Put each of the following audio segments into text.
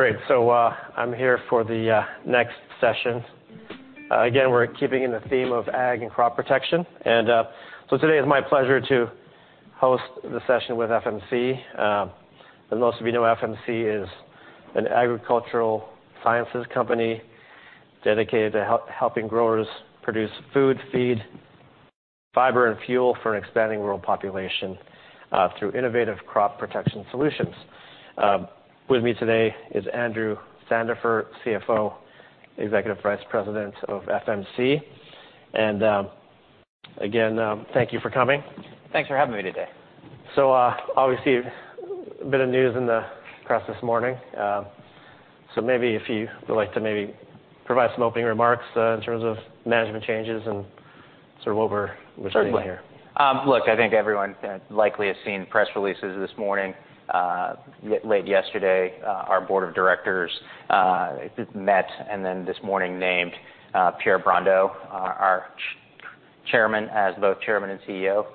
Great. So I'm here for the next session. Again, we're keeping in the theme of ag and crop protection. And so today it's my pleasure to host the session with FMC. As most of you know, FMC is an agricultural sciences company dedicated to helping growers produce food, feed, fiber, and fuel for an expanding world population through innovative crop protection solutions. With me today is Andrew Sandifer, CFO, Executive Vice President of FMC. And again, thank you for coming. Thanks for having me today. So obviously, a bit of news in the press this morning. So maybe if you would like to maybe provide some opening remarks in terms of management changes and sort of what we're seeing here. Certainly. Look, I think everyone likely has seen press releases this morning. Late yesterday, our board of directors met, and then this morning named Pierre Brondeau, our chairman, as both chairman and CEO.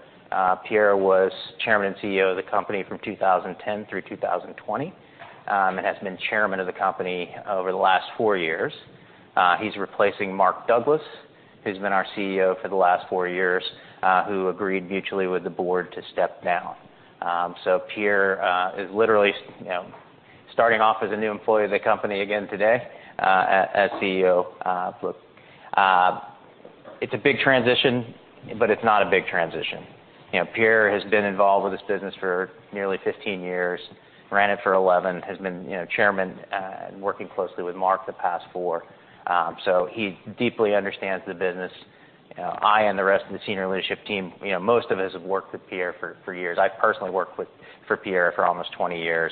Pierre was chairman and CEO of the company from 2010 through 2020 and has been chairman of the company over the last four years. He's replacing Mark Douglas, who's been our CEO for the last four years, who agreed mutually with the board to step down. So Pierre is literally starting off as a new employee of the company again today as CEO. Look, it's a big transition, but it's not a big transition. Pierre has been involved with this business for nearly 15 years, ran it for 11, has been chairman and working closely with Mark the past four. So he deeply understands the business. I and the rest of the senior leadership team, most of us have worked with Pierre for years. I've personally worked for Pierre for almost 20 years.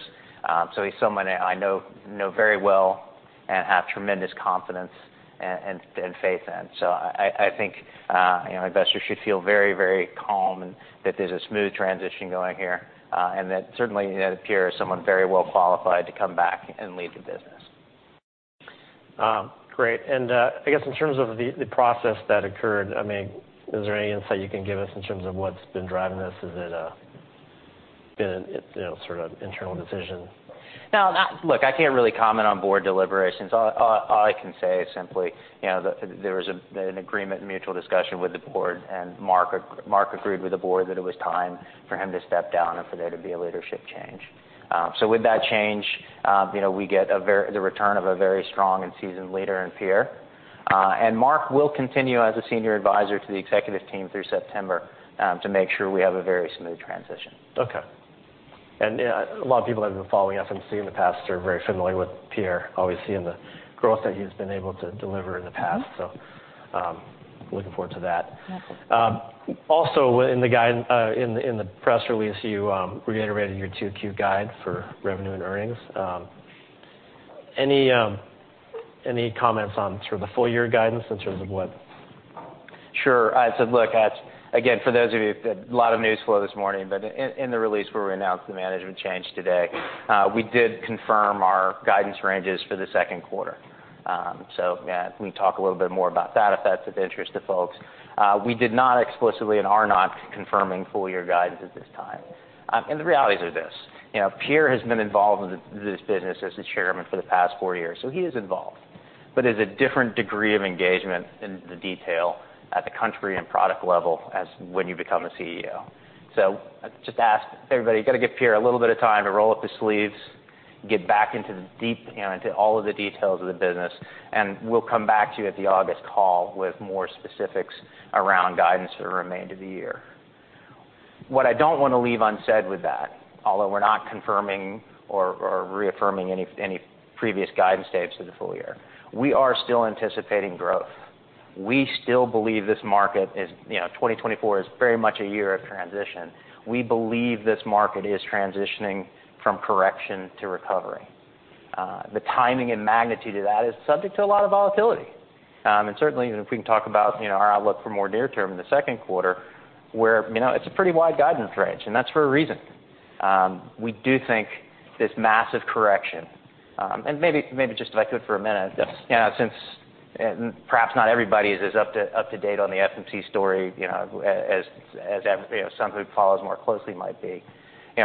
So he's someone I know very well and have tremendous confidence and faith in. So I think investors should feel very, very calm that there's a smooth transition going here and that certainly Pierre is someone very well qualified to come back and lead the business. Great. And I guess in terms of the process that occurred, I mean, is there any insight you can give us in terms of what's been driving this? Has it been sort of an internal decision? No. Look, I can't really comment on board deliberations. All I can say is simply there was an agreement and mutual discussion with the board, and Mark agreed with the board that it was time for him to step down and for there to be a leadership change. So with that change, we get the return of a very strong and seasoned leader in Pierre. And Mark will continue as a senior advisor to the executive team through September to make sure we have a very smooth transition. Okay. And a lot of people that have been following FMC in the past are very familiar with Pierre, obviously in the growth that he has been able to deliver in the past. So looking forward to that. Also, in the press release, you reiterated your 2Q guide for revenue and earnings. Any comments on sort of the full-year guidance in terms of what? Sure. So look, again, for those of you, a lot of news flow this morning, but in the release where we announced the management change today, we did confirm our guidance ranges for the second quarter. So yeah, we can talk a little bit more about that if that's of interest to folks. We did not explicitly and are not confirming full-year guidance at this time. The realities are this. Pierre has been involved in this business as the Chairman for the past four years, so he is involved. But there's a different degree of engagement in the detail at the country and product level as when you become a CEO. So, just ask everybody, you got to give Pierre a little bit of time to roll up his sleeves, get back into the deep, into all of the details of the business, and we'll come back to you at the August call with more specifics around guidance for the remainder of the year. What I don't want to leave unsaid with that, although we're not confirming or reaffirming any previous guidance ranges for the full year, we are still anticipating growth. We still believe this market is 2024 is very much a year of transition. We believe this market is transitioning from correction to recovery. The timing and magnitude of that is subject to a lot of volatility. Certainly, if we can talk about our outlook for more near-term in the second quarter, where it's a pretty wide guidance range, and that's for a reason. We do think this massive correction, and maybe just if I could for a minute, since perhaps not everybody is as up to date on the FMC story as some who follow us more closely might be.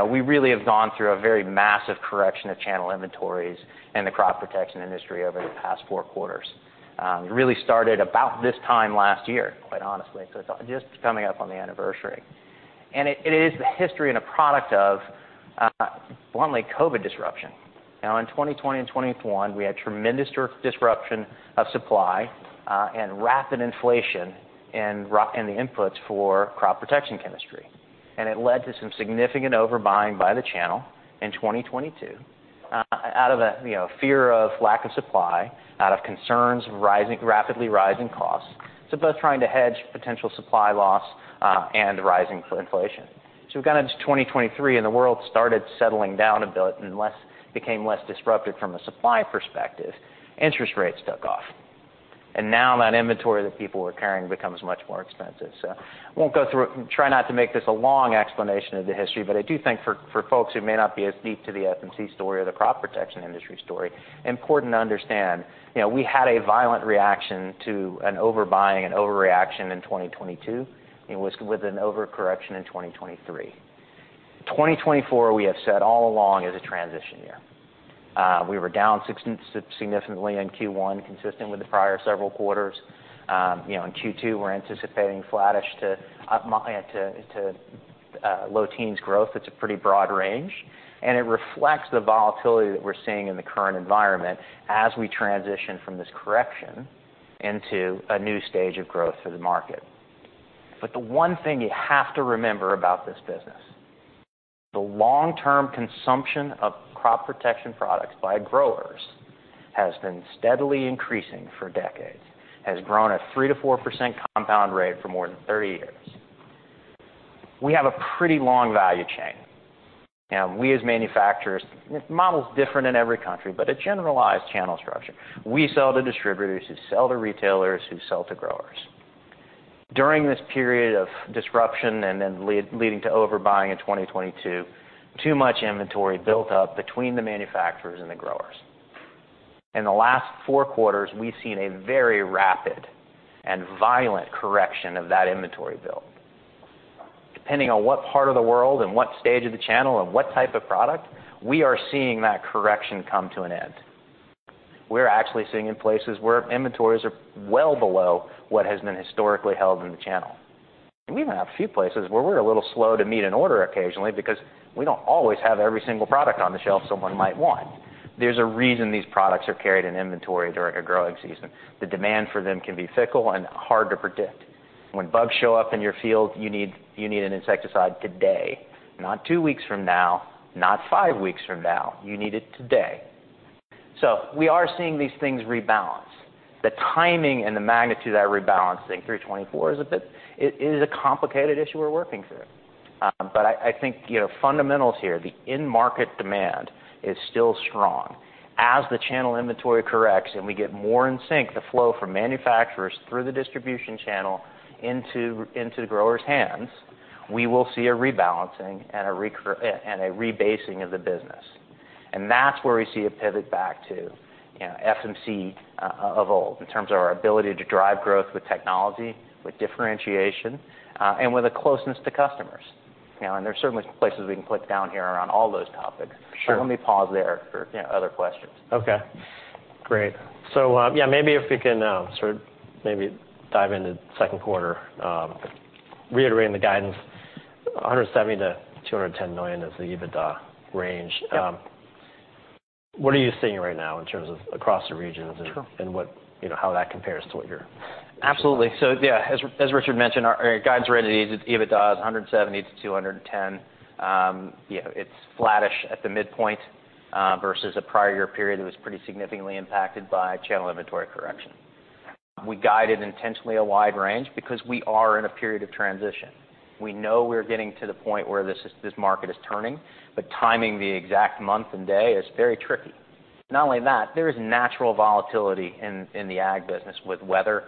We really have gone through a very massive correction of channel inventories and the crop protection industry over the past four quarters. It really started about this time last year, quite honestly. So it's just coming up on the anniversary. And it is the history and a product of bluntly COVID disruption. In 2020 and 2021, we had tremendous disruption of supply and rapid inflation in the inputs for crop protection chemistry. And it led to some significant overbuying by the channel in 2022 out of a fear of lack of supply, out of concerns of rapidly rising costs, so both trying to hedge potential supply loss and rising inflation. So we got into 2023, and the world started settling down a bit and became less disruptive from a supply perspective. Interest rates took off. And now that inventory that people were carrying becomes much more expensive. So I won't go through and try not to make this a long explanation of the history, but I do think for folks who may not be as deep to the FMC story or the crop protection industry story, important to understand we had a violent reaction to an overbuying and overreaction in 2022. It was with an overcorrection in 2023. 2024, we have said all along is a transition year. We were down significantly in Q1, consistent with the prior several quarters. In Q2, we're anticipating flattish to low teens growth. It's a pretty broad range. It reflects the volatility that we're seeing in the current environment as we transition from this correction into a new stage of growth for the market. The one thing you have to remember about this business, the long-term consumption of crop protection products by growers has been steadily increasing for decades, has grown at 3%-4% compound rate for more than 30 years. We have a pretty long value chain. Now, we as manufacturers, the model's different in every country, but a generalized channel structure. We sell to distributors, who sell to retailers, who sell to growers. During this period of disruption and then leading to overbuying in 2022, too much inventory built up between the manufacturers and the growers. In the last four quarters, we've seen a very rapid and violent correction of that inventory build. Depending on what part of the world and what stage of the channel and what type of product, we are seeing that correction come to an end. We're actually seeing in places where inventories are well below what has been historically held in the channel. And we even have a few places where we're a little slow to meet an order occasionally because we don't always have every single product on the shelf someone might want. There's a reason these products are carried in inventory during a growing season. The demand for them can be fickle and hard to predict. When bugs show up in your field, you need an insecticide today. Not two weeks from now, not five weeks from now. You need it today. So we are seeing these things rebalance. The timing and the magnitude of that rebalancing through 2024 is a bit. It is a complicated issue we're working through. But I think fundamentals here, the in-market demand is still strong. As the channel inventory corrects and we get more in sync, the flow from manufacturers through the distribution channel into the growers' hands, we will see a rebalancing and a rebasing of the business. And that's where we see a pivot back to FMC of old in terms of our ability to drive growth with technology, with differentiation, and with a closeness to customers. And there's certainly places we can click down here around all those topics. But let me pause there for other questions. Okay. Great. So yeah, maybe if we can sort of maybe dive into the second quarter, reiterating the guidance, $170 million-$210 million is the EBITDA range. What are you seeing right now in terms of across the regions and how that compares to what you're? Absolutely. So yeah, as Richard mentioned, our guidance range for EBITDA is $170-$210. It's flattish at the midpoint versus a prior year period that was pretty significantly impacted by channel inventory correction. We guided intentionally a wide range because we are in a period of transition. We know we're getting to the point where this market is turning, but timing the exact month and day is very tricky. Not only that, there is natural volatility in the ag business with weather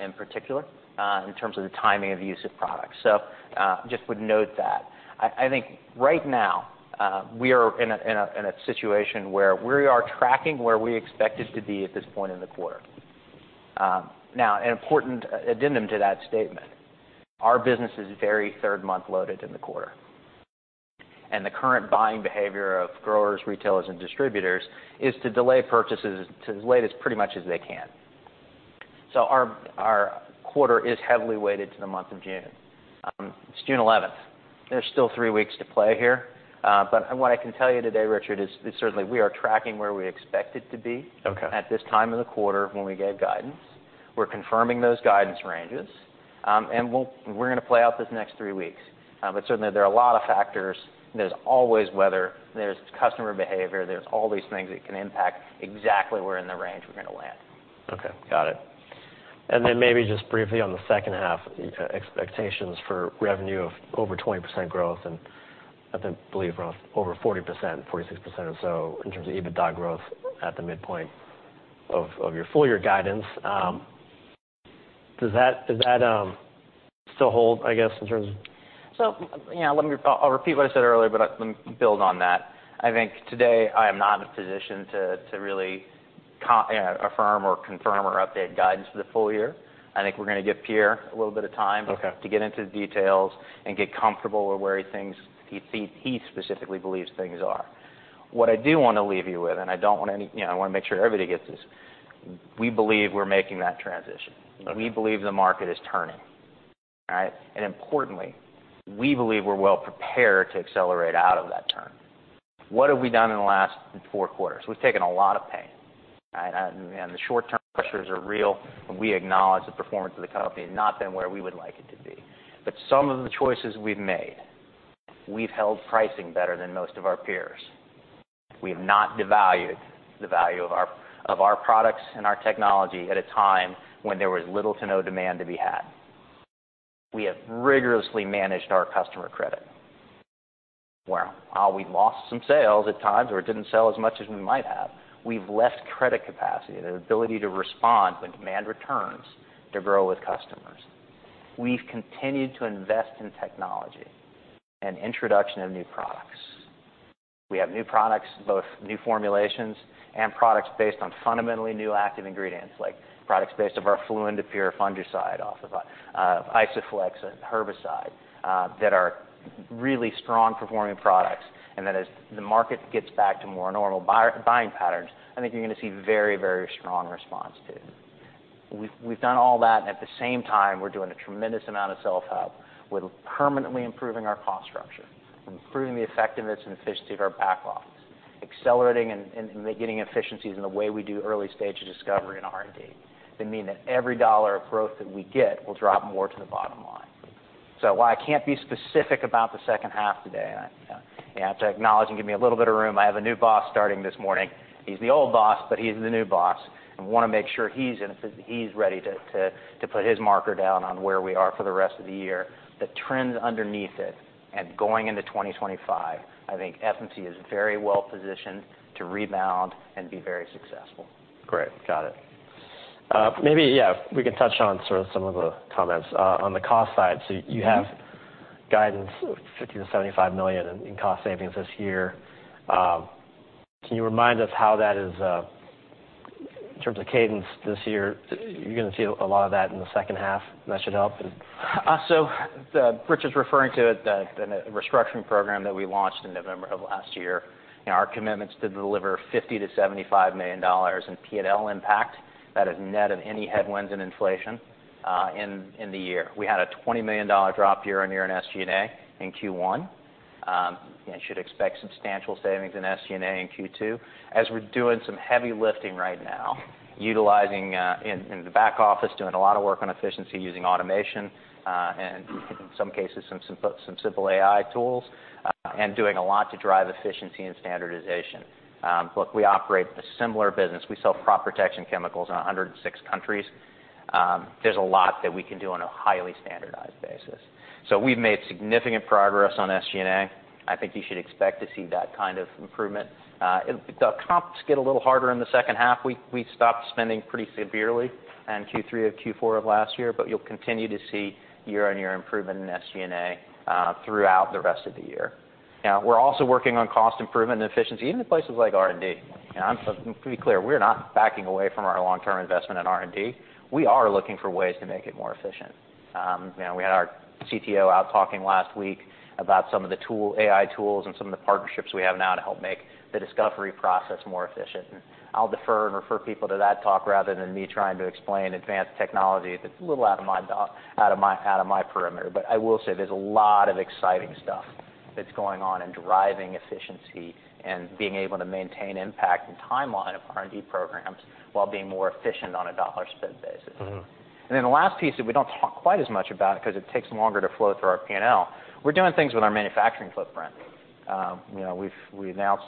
in particular in terms of the timing of use of products. So just would note that. I think right now we are in a situation where we are tracking where we expect it to be at this point in the quarter. Now, an important addendum to that statement, our business is very third-month loaded in the quarter. The current buying behavior of growers, retailers, and distributors is to delay purchases as late as pretty much as they can. So our quarter is heavily weighted to the month of June. It's June 11th. There's still three weeks to play here. But what I can tell you today, Richard, is certainly we are tracking where we expect it to be at this time in the quarter when we get guidance. We're confirming those guidance ranges, and we're going to play out this next three weeks. But certainly, there are a lot of factors. There's always weather. There's customer behavior. There's all these things that can impact exactly where in the range we're going to land. Okay. Got it. And then maybe just briefly on the second half, expectations for revenue of over 20% growth and I believe over 40%, 46% or so in terms of EBITDA growth at the midpoint of your full-year guidance. Does that still hold, I guess, in terms of? So I'll repeat what I said earlier, but let me build on that. I think today I am not in a position to really affirm or confirm or update guidance for the full year. I think we're going to give Pierre a little bit of time to get into the details and get comfortable with where he specifically believes things are. What I do want to leave you with, and I don't want to I want to make sure everybody gets this. We believe we're making that transition. We believe the market is turning. All right? And importantly, we believe we're well prepared to accelerate out of that turn. What have we done in the last four quarters? We've taken a lot of pain. And the short-term pressures are real. We acknowledge the performance of the company has not been where we would like it to be. But some of the choices we've made, we've held pricing better than most of our peers. We have not devalued the value of our products and our technology at a time when there was little to no demand to be had. We have rigorously managed our customer credit. Well, we've lost some sales at times or didn't sell as much as we might have. We've left credit capacity, the ability to respond when demand returns, to grow with customers. We've continued to invest in technology and introduction of new products. We have new products, both new formulations and products based on fundamentally new active ingredients like products based on our fluindapyr fungicide Isoflex herbicide that are really strong performing products. And then as the market gets back to more normal buying patterns, I think you're going to see very, very strong response too. We've done all that. At the same time, we're doing a tremendous amount of self-help with permanently improving our cost structure, improving the effectiveness and efficiency of our back office, accelerating and getting efficiencies in the way we do early stage of discovery and R&D. They mean that every dollar of growth that we get will drop more to the bottom line. While I can't be specific about the second half today, I have to acknowledge and give me a little bit of room. I have a new boss starting this morning. He's the old boss, but he's the new boss. I want to make sure he's ready to put his marker down on where we are for the rest of the year. The trends underneath it and going into 2025, I think FMC is very well positioned to rebound and be very successful. Great. Got it. Maybe, yeah, we can touch on sort of some of the comments. On the cost side, so you have guidance of $50 million-$75 million in cost savings this year. Can you remind us how that is in terms of cadence this year? You're going to see a lot of that in the second half, and that should help. So Richard's referring to it, the restructuring program that we launched in November of last year. Our commitment is to deliver $50 million-$75 million in P&L impact. That is net of any headwinds and inflation in the year. We had a $20 million drop year-on-year in SG&A in Q1. You should expect substantial savings in SG&A in Q2. As we're doing some heavy lifting right now, utilizing in the back office, doing a lot of work on efficiency using automation and in some cases, some simple AI tools, and doing a lot to drive efficiency and standardization. Look, we operate a similar business. We sell crop protection chemicals in 106 countries. There's a lot that we can do on a highly standardized basis. So we've made significant progress on SG&A. I think you should expect to see that kind of improvement. The comps get a little harder in the second half. We stopped spending pretty severely in Q3 of Q4 of last year, but you'll continue to see year-on-year improvement in SG&A throughout the rest of the year. Now, we're also working on cost improvement and efficiency in places like R&D. To be clear, we're not backing away from our long-term investment in R&D. We are looking for ways to make it more efficient. We had our CTO out talking last week about some of the AI tools and some of the partnerships we have now to help make the discovery process more efficient. I'll defer and refer people to that talk rather than me trying to explain advanced technology that's a little out of my perimeter. But I will say there's a lot of exciting stuff that's going on in driving efficiency and being able to maintain impact and timeline of R&D programs while being more efficient on a dollar spend basis. And then the last piece that we don't talk quite as much about because it takes longer to flow through our P&L, we're doing things with our manufacturing footprint. We announced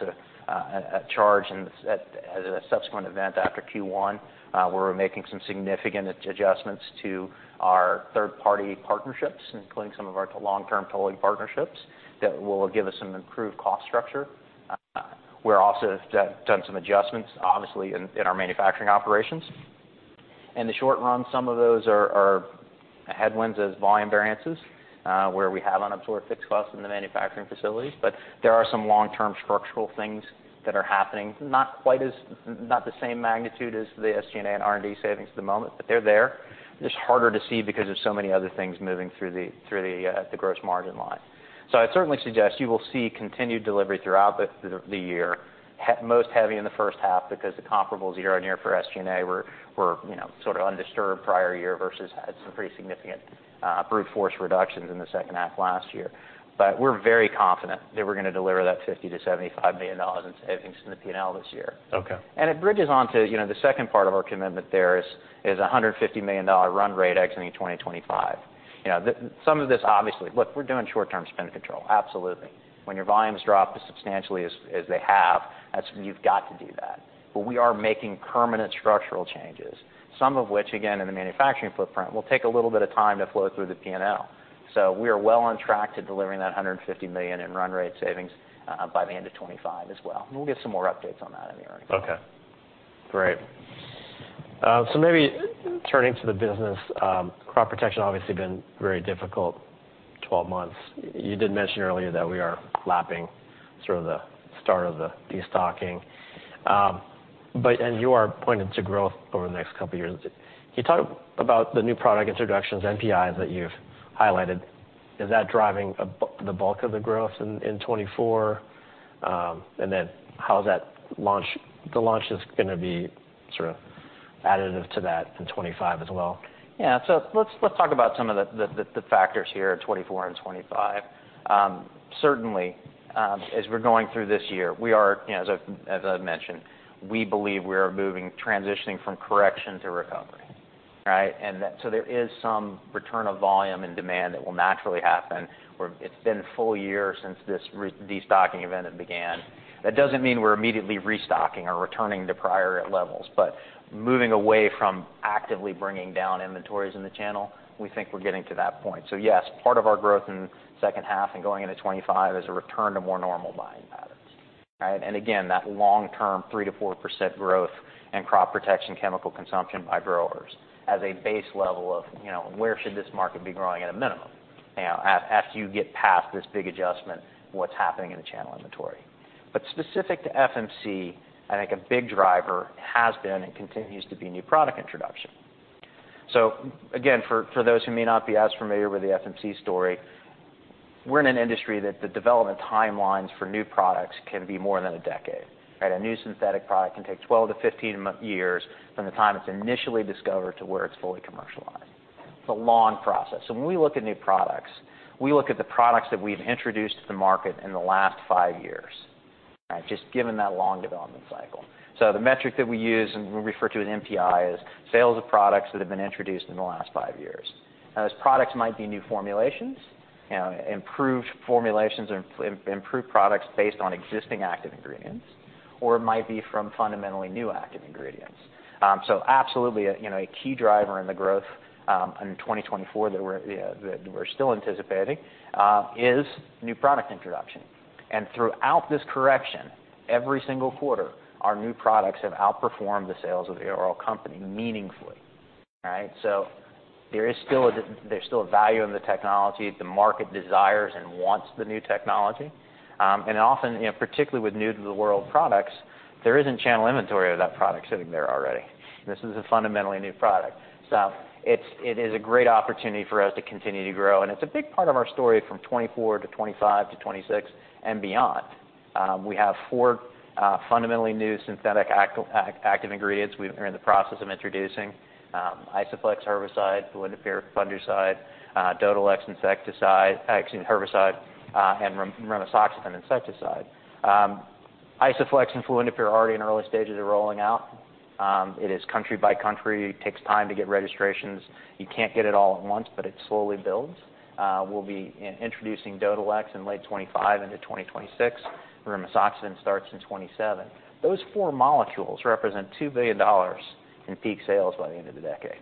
a charge as a subsequent event after Q1 where we're making some significant adjustments to our third-party partnerships, including some of our long-term tolling partnerships that will give us some improved cost structure. We're also done some adjustments, obviously, in our manufacturing operations. In the short run, some of those are headwinds as volume variances where we have unabsorbed fixed costs in the manufacturing facilities. But there are some long-term structural things that are happening, not the same magnitude as the SG&A and R&D savings at the moment, but they're there. Just harder to see because of so many other things moving through the gross margin line. So I'd certainly suggest you will see continued delivery throughout the year, most heavy in the first half because the comparables year-on-year for SG&A were sort of undisturbed prior year versus had some pretty significant brute force reductions in the second half last year. But we're very confident that we're going to deliver that $50-$75 million in savings in the P&L this year. And it bridges on to the second part of our commitment. There is a $150 million run rate exiting 2025. Some of this, obviously, look, we're doing short-term spend control. Absolutely. When your volumes drop as substantially as they have, you've got to do that. But we are making permanent structural changes, some of which, again, in the manufacturing footprint will take a little bit of time to flow through the P&L. So we are well on track to delivering that $150 million in run rate savings by the end of 2025 as well. And we'll get some more updates on that in the early months. Okay. Great. So maybe turning to the business, crop protection obviously been very difficult 12 months. You did mention earlier that we are lapping sort of the start of the destocking. And you are pointing to growth over the next couple of years. Can you talk about the new product introductions, NPIs that you've highlighted? Is that driving the bulk of the growth in 2024? And then how is that launch? The launch is going to be sort of additive to that in 2025 as well. Yeah. So let's talk about some of the factors here in 2024 and 2025. Certainly, as we're going through this year, as I've mentioned, we believe we are moving, transitioning from correction to recovery. Right? And so there is some return of volume and demand that will naturally happen where it's been a full year since this destocking event began. That doesn't mean we're immediately restocking or returning to prior levels, but moving away from actively bringing down inventories in the channel. We think we're getting to that point. So yes, part of our growth in the second half and going into 2025 is a return to more normal buying patterns. Right? And again, that long-term 3%-4% growth in crop protection chemical consumption by growers as a base level of where this market should be growing at a minimum after you get past this big adjustment, what's happening in the channel inventory. But specific to FMC, I think a big driver has been and continues to be new product introduction. So again, for those who may not be as familiar with the FMC story, we're in an industry that the development timelines for new products can be more than a decade. Right? A new synthetic product can take 12-15 years from the time it's initially discovered to where it's fully commercialized. It's a long process. So when we look at new products, we look at the products that we've introduced to the market in the last 5 years, just given that long development cycle. So the metric that we use and we refer to as NPI is sales of products that have been introduced in the last five years. Now, those products might be new formulations, improved formulations of improved products based on existing active ingredients, or it might be from fundamentally new active ingredients. So absolutely a key driver in the growth in 2024 that we're still anticipating is new product introduction. And throughout this correction, every single quarter, our new products have outperformed the sales of the overall company meaningfully. Right? So there is still a value in the technology. The market desires and wants the new technology. And often, particularly with new-to-the-world products, there isn't channel inventory of that product sitting there already. This is a fundamentally new product. So it is a great opportunity for us to continue to grow. And it's a big part of our story from 2024 to 2025 to 2026 and beyond. We have four fundamentally new synthetic active ingredients we're in the process of introducing: Isoflex herbicide, fluindapyr fungicide, Dodhylex insecticide, excuse me, herbicide, and rimisoxafen insecticide. Isoflex and fluindapyr already in early stages are rolling out. It is country by country. It takes time to get registrations. You can't get it all at once, but it slowly builds. We'll be introducing Dodhylex in late 2025 into 2026. Rimisoxafen starts in 2027. Those four molecules represent $2 billion in peak sales by the end of the decade.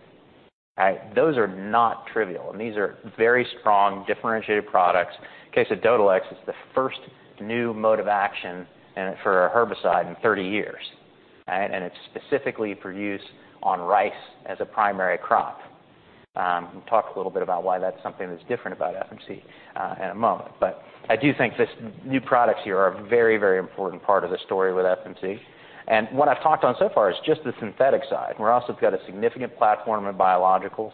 Right? Those are not trivial. And these are very strong differentiated products. In case of Dodhylex, it's the first new mode of action for a herbicide in 30 years. Right? And it's specifically for use on rice as a primary crop. We'll talk a little bit about why that's something that's different about FMC in a moment. But I do think these new products here are a very, very important part of the story with FMC. And what I've talked on so far is just the synthetic side. We're also got a significant platform in biologicals.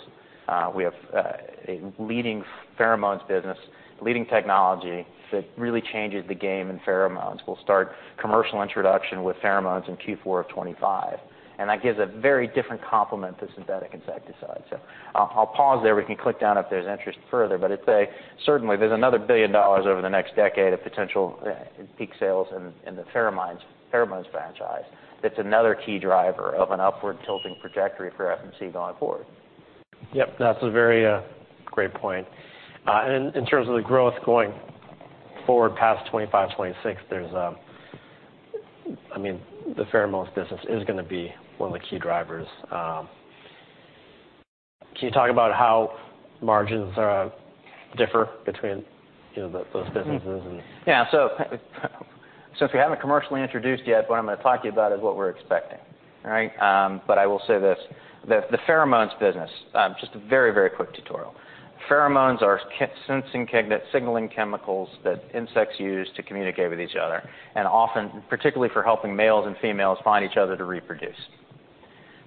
We have a leading pheromones business, leading technology that really changes the game in pheromones. We'll start commercial introduction with pheromones in Q4 of 2025. And that gives a very different complement to synthetic insecticides. So I'll pause there. We can click down if there's interest further. But certainly, there's another $1 billion over the next decade of potential peak sales in the pheromones franchise. That's another key driver of an upward tilting trajectory for FMC going forward. Yep. That's a very great point. In terms of the growth going forward past 2025, 2026, there's, I mean, the pheromones business is going to be one of the key drivers. Can you talk about how margins differ between those businesses? Yeah. So if you haven't commercially introduced yet, what I'm going to talk to you about is what we're expecting. Right? But I will say this. The pheromones business, just a very, very quick tutorial. Pheromones are sensing signaling chemicals that insects use to communicate with each other and often, particularly for helping males and females find each other to reproduce.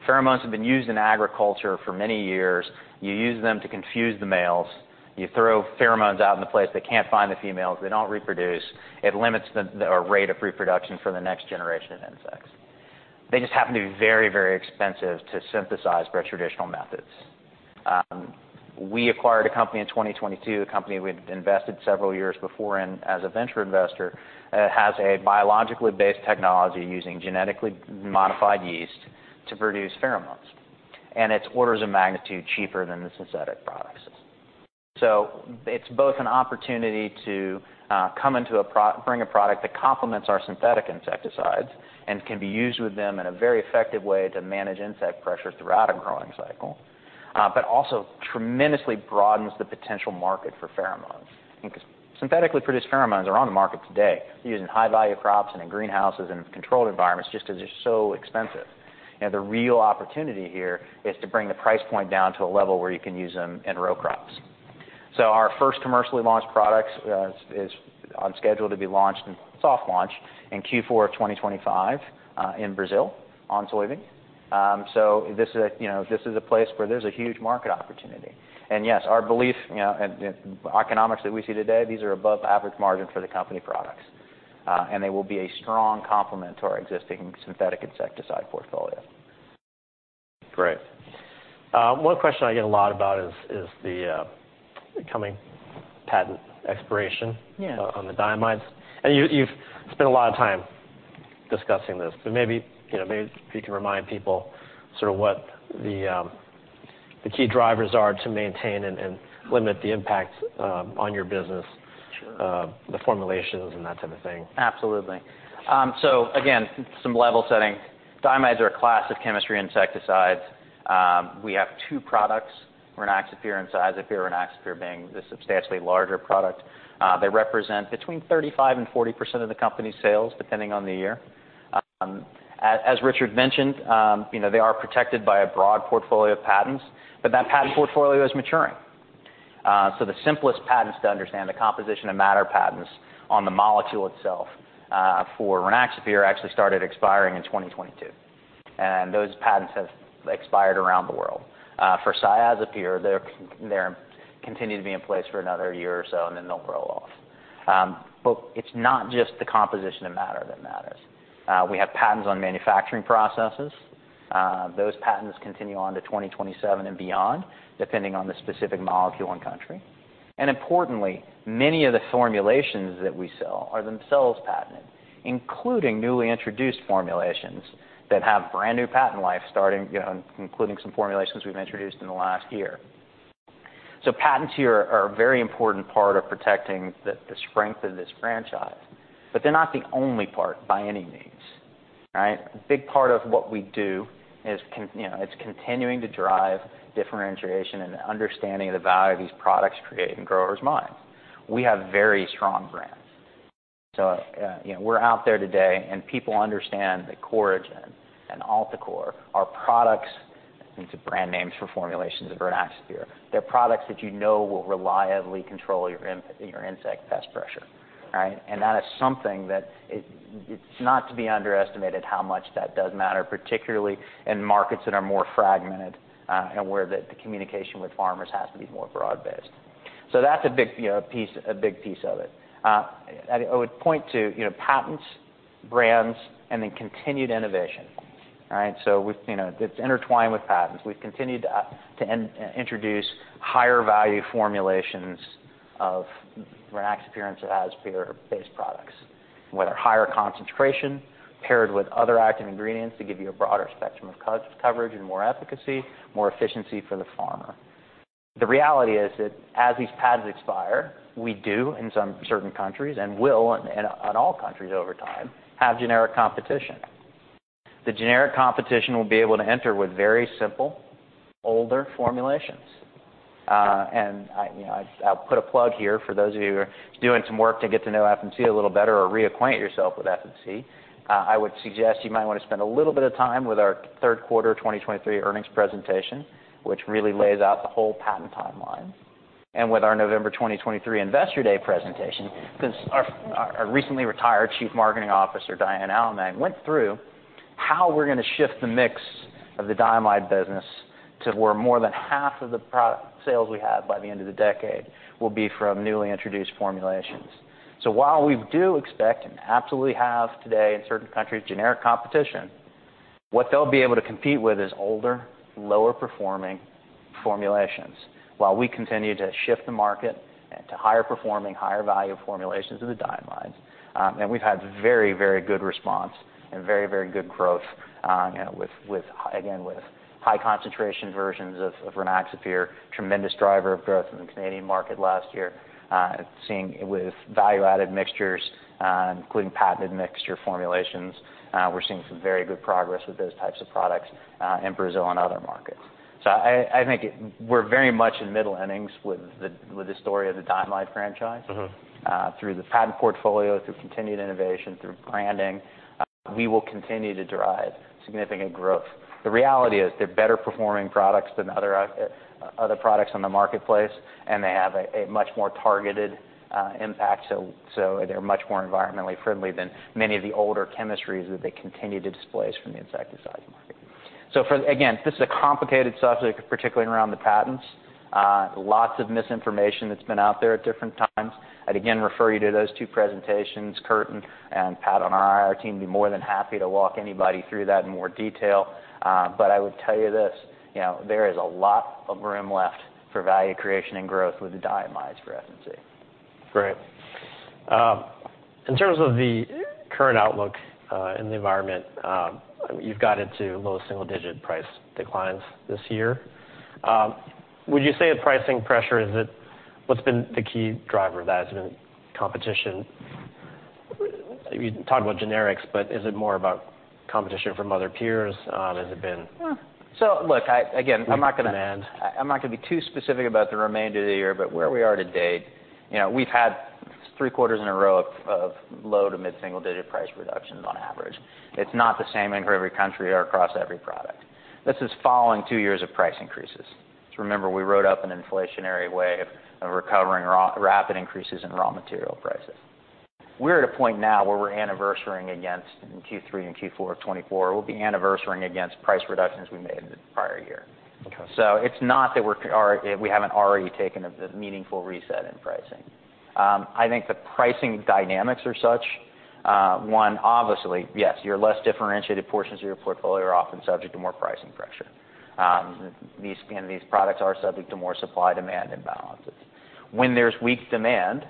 Pheromones have been used in agriculture for many years. You use them to confuse the males. You throw pheromones out in the place. They can't find the females. They don't reproduce. It limits the rate of reproduction for the next generation of insects. They just happen to be very, very expensive to synthesize by traditional methods. We acquired a company in 2022, a company we'd invested several years before in as a venture investor. It has a biologically based technology using genetically modified yeast to produce pheromones. It's orders of magnitude cheaper than the synthetic products. It's both an opportunity to bring a product that complements our synthetic insecticides and can be used with them in a very effective way to manage insect pressure throughout a growing cycle, but also tremendously broadens the potential market for pheromones. Synthetically produced pheromones are on the market today. They're using high-value crops and in greenhouses and controlled environments just because they're so expensive. The real opportunity here is to bring the price point down to a level where you can use them in row crops. Our first commercially launched product is on schedule to be launched in soft launch in Q4 of 2025 in Brazil on soybeans. This is a place where there's a huge market opportunity. Yes, our belief and economics that we see today, these are above average margin for the company products. They will be a strong complement to our existing synthetic insecticide portfolio. Great. One question I get a lot about is the incoming patent expiration on the diamides. You've spent a lot of time discussing this. Maybe if you can remind people sort of what the key drivers are to maintain and limit the impact on your business, the formulations and that type of thing. Absolutely. So again, some level setting. Diamides are a class of chemistry insecticides. We have two products, Rynaxypyr and Cyazypyr, Rynaxypyr being the substantially larger product. They represent between 35%-40% of the company's sales depending on the year. As Richard mentioned, they are protected by a broad portfolio of patents, but that patent portfolio is maturing. So the simplest patents to understand the composition of matter patents on the molecule itself for Rynaxypyr actually started expiring in 2022. And those patents have expired around the world. For Cyazypyr, they're continuing to be in place for another year or so, and then they'll roll off. But it's not just the composition of matter that matters. We have patents on manufacturing processes. Those patents continue on to 2027 and beyond, depending on the specific molecule and country. Importantly, many of the formulations that we sell are themselves patented, including newly introduced formulations that have brand new patent life starting, including some formulations we've introduced in the last year. So patents here are a very important part of protecting the strength of this franchise. But they're not the only part by any means. Right? A big part of what we do is it's continuing to drive differentiation and understanding the value of these products create in growers' minds. We have very strong brands. So we're out there today, and people understand that Coragen and Altacor are products (these are brand names for formulations of Rynaxypyr) they're products that you know will reliably control your insect pest pressure. Right? And that is something that it's not to be underestimated how much that does matter, particularly in markets that are more fragmented and where the communication with farmers has to be more broad-based. So that's a big piece of it. I would point to patents, brands, and then continued innovation. Right? So it's intertwined with patents. We've continued to introduce higher value formulations of Rynaxypyr and Cyazypyr-based products, whether higher concentration paired with other active ingredients to give you a broader spectrum of coverage and more efficacy, more efficiency for the farmer. The reality is that as these patents expire, we do in some certain countries and will in all countries over time have generic competition. The generic competition will be able to enter with very simple, older formulations. I'll put a plug here for those of you who are doing some work to get to know FMC a little better or reacquaint yourself with FMC. I would suggest you might want to spend a little bit of time with our third quarter 2023 earnings presentation, which really lays out the whole patent timeline. And with our November 2023 investor day presentation, our recently retired Chief Marketing Officer, Diane Allemang, went through how we're going to shift the mix of the diamide business to where more than half of the sales we have by the end of the decade will be from newly introduced formulations. So while we do expect and absolutely have today in certain countries generic competition, what they'll be able to compete with is older, lower-performing formulations while we continue to shift the market to higher-performing, higher-value formulations of the diamides. We've had very, very good response and very, very good growth, again, with high-concentration versions of Rynaxypyr, tremendous driver of growth in the Canadian market last year, seeing with value-added mixtures, including patented mixture formulations. We're seeing some very good progress with those types of products in Brazil and other markets. So I think we're very much in middle innings with the story of the diamide franchise. Through the patent portfolio, through continued innovation, through branding, we will continue to drive significant growth. The reality is they're better-performing products than other products on the marketplace, and they have a much more targeted impact. So they're much more environmentally friendly than many of the older chemistries that they continue to displace from the insecticide market. So again, this is a complicated subject, particularly around the patents. Lots of misinformation that's been out there at different times. I'd again refer you to those two presentations. Curt and Pat on our IR team would be more than happy to walk anybody through that in more detail. But I would tell you this. There is a lot of room left for value creation and growth with the diamides for FMC. Great. In terms of the current outlook in the environment, you've gotten into low single-digit price declines this year. Would you say the pricing pressure, what's been the key driver of that? Has it been competition? You talked about generics, but is it more about competition from other peers? Has it been? So look, again, I'm not going to be too specific about the remainder of the year, but where we are today, we've had three quarters in a row of low- to mid-single-digit price reductions on average. It's not the same in every country or across every product. This is following two years of price increases. So remember, we wrote up an inflationary wave of recovering rapid increases in raw material prices. We're at a point now where we're anniversarying against in Q3 and Q4 of 2024; we'll be anniversarying against price reductions we made in the prior year. So it's not that we haven't already taken a meaningful reset in pricing. I think the pricing dynamics are such. One, obviously, yes, your less differentiated portions of your portfolio are often subject to more pricing pressure. These products are subject to more supply demand imbalances. When there's weak demand,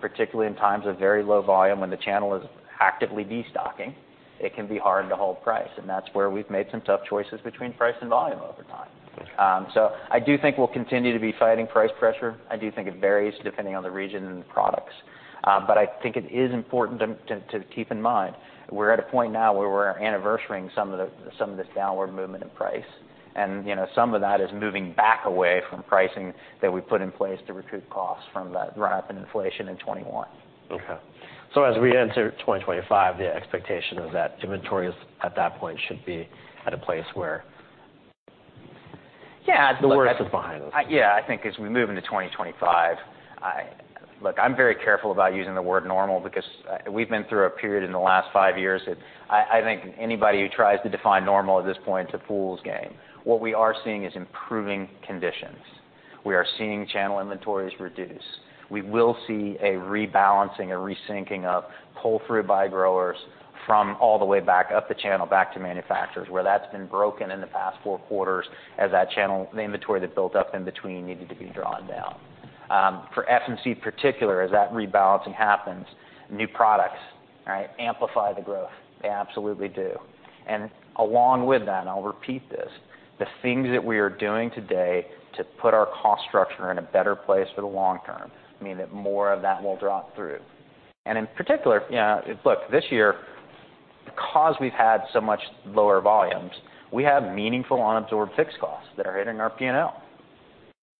particularly in times of very low volume when the channel is actively destocking, it can be hard to hold price. That's where we've made some tough choices between price and volume over time. I do think we'll continue to be fighting price pressure. I do think it varies depending on the region and the products. I think it is important to keep in mind we're at a point now where we're anniversarying some of this downward movement in price. Some of that is moving back away from pricing that we put in place to recoup costs from that run-up in inflation in 2021. Okay. So as we enter 2025, the expectation is that inventories at that point should be at a place where the worst is behind us. Yeah. I think as we move into 2025, look, I'm very careful about using the word normal because we've been through a period in the last five years that I think anybody who tries to define normal at this point is a fool's game. What we are seeing is improving conditions. We are seeing channel inventories reduce. We will see a rebalancing, a resyncing of pull-through by growers from all the way back up the channel back to manufacturers where that's been broken in the past four quarters as that channel, the inventory that built up in between needed to be drawn down. For FMC particular, as that rebalancing happens, new products amplify the growth. They absolutely do. Along with that, and I'll repeat this, the things that we are doing today to put our cost structure in a better place for the long term mean that more of that will drop through. In particular, look, this year, because we've had so much lower volumes, we have meaningful unabsorbed fixed costs that are hitting our P&L.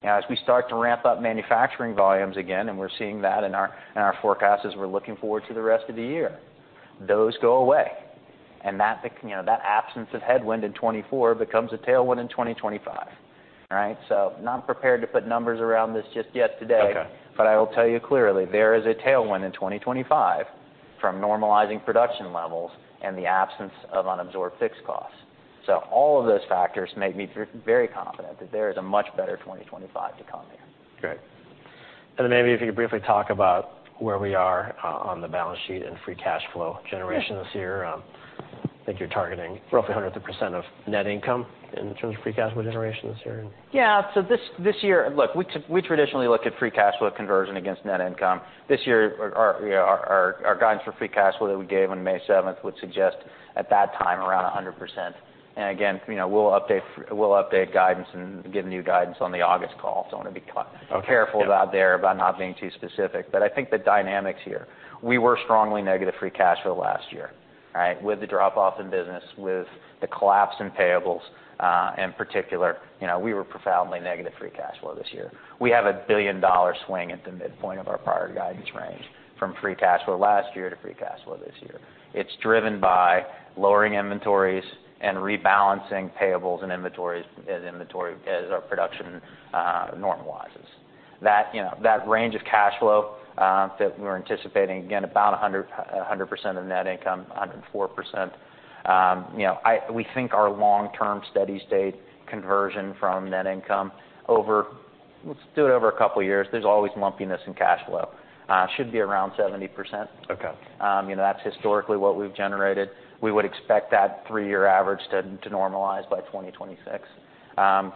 As we start to ramp up manufacturing volumes again, and we're seeing that in our forecasts as we're looking forward to the rest of the year, those go away. That absence of headwind in 2024 becomes a tailwind in 2025. Right? Not prepared to put numbers around this just yet today, but I will tell you clearly there is a tailwind in 2025 from normalizing production levels and the absence of unabsorbed fixed costs. All of those factors make me very confident that there is a much better 2025 to come here. Great. Maybe if you could briefly talk about where we are on the balance sheet and free cash flow generation this year. I think you're targeting roughly 100% of net income in terms of free cash flow generation this year. Yeah. So this year, look, we traditionally look at free cash flow conversion against net income. This year, our guidance for free cash flow that we gave on May 7th would suggest at that time around 100%. And again, we'll update guidance and give new guidance on the August call. So I want to be careful about there, about not being too specific. But I think the dynamics here, we were strongly negative free cash flow last year. Right? With the drop-off in business, with the collapse in payables in particular, we were profoundly negative free cash flow this year. We have a billion-dollar swing at the midpoint of our prior guidance range from free cash flow last year to free cash flow this year. It's driven by lowering inventories and rebalancing payables and inventory as our production normalizes. That range of cash flow that we're anticipating, again, about 100% of net income, 104%. We think our long-term steady-state conversion from net income over, let's do it over a couple of years, there's always lumpiness in cash flow. Should be around 70%. That's historically what we've generated. We would expect that three-year average to normalize by 2026.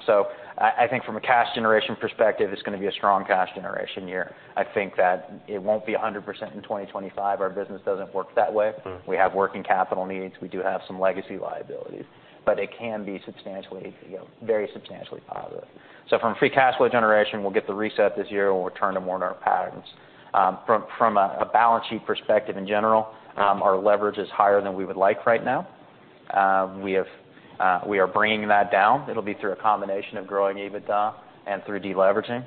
So I think from a cash generation perspective, it's going to be a strong cash generation year. I think that it won't be 100% in 2025. Our business doesn't work that way. We have working capital needs. We do have some legacy liabilities. But it can be very substantially positive. So from free cash flow generation, we'll get the reset this year. We'll return to more of our patterns. From a balance sheet perspective in general, our leverage is higher than we would like right now. We are bringing that down. It'll be through a combination of growing EBITDA and through deleveraging.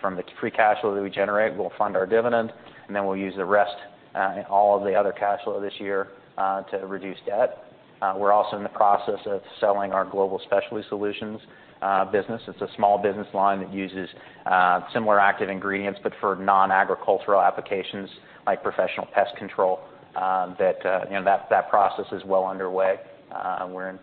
From the free cash flow that we generate, we'll fund our dividend, and then we'll use the rest, all of the other cash flow this year to reduce debt. We're also in the process of selling our Global Specialty Solutions business. It's a small business line that uses similar active ingredients, but for non-agricultural applications like professional pest control. That process is well underway. We're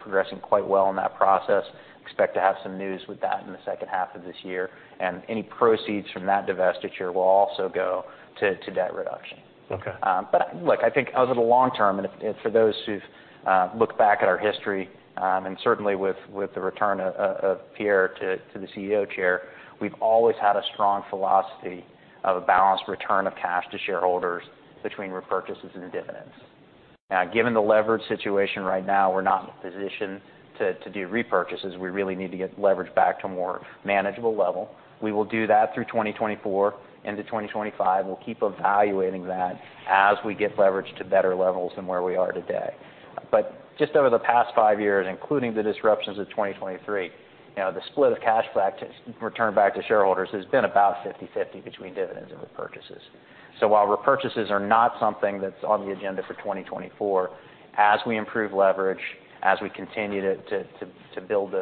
progressing quite well in that process. Expect to have some news with that in the second half of this year. Any proceeds from that divestiture will also go to debt reduction. But look, I think over the long term, and for those who've looked back at our history, and certainly with the return of Pierre to the CEO chair, we've always had a strong philosophy of a balanced return of cash to shareholders between repurchases and dividends. Now, given the leverage situation right now, we're not in a position to do repurchases. We really need to get leverage back to a more manageable level. We will do that through 2024 into 2025. We'll keep evaluating that as we get leverage to better levels than where we are today. But just over the past five years, including the disruptions of 2023, the split of cash returned back to shareholders has been about 50/50 between dividends and repurchases. While repurchases are not something that's on the agenda for 2024, as we improve leverage, as we continue to rebuild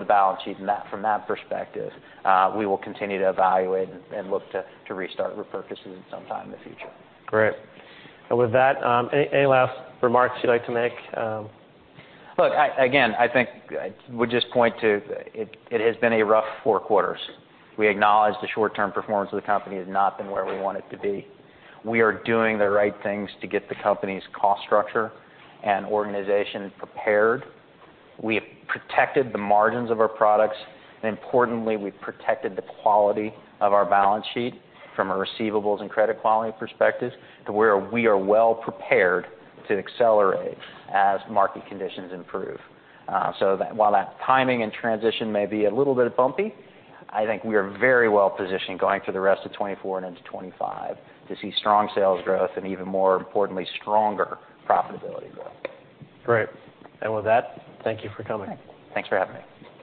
the balance sheet from that perspective, we will continue to evaluate and look to restart repurchases sometime in the future. Great. With that, any last remarks you'd like to make? Look, again, I think I would just point to it has been a rough four quarters. We acknowledge the short-term performance of the company has not been where we want it to be. We are doing the right things to get the company's cost structure and organization prepared. We have protected the margins of our products. And importantly, we've protected the quality of our balance sheet from a receivables and credit quality perspective to where we are well prepared to accelerate as market conditions improve. So while that timing and transition may be a little bit bumpy, I think we are very well positioned going through the rest of 2024 and into 2025 to see strong sales growth and even more importantly, stronger profitability growth. Great. With that, thank you for coming. Thanks for having me.